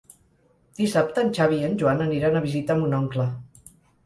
Dissabte en Xavi i en Joan aniran a visitar mon oncle.